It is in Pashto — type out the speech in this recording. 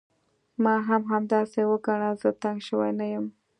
ما هم همداسې وګڼه، زه تنګ شوی نه یم.